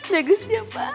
bagus ya pa